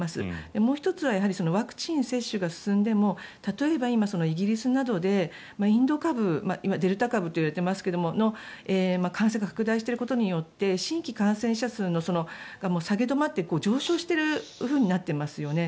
もう１つはワクチン接種が進んでも例えば今、イギリスなどでインド株今デルタ株といわれていますが感染が拡大していることによって新規感染者数が下げ止まって上昇しているというふうになっていますよね。